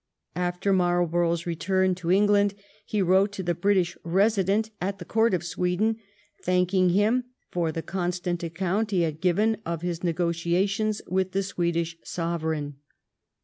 After Marlborough's return to England he wrote to the British resident at the Court of Sweden, thanking him for the constant account he had given of his negotiations with the Swedish Sovereign.